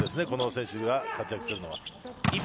この選手が活躍するのは。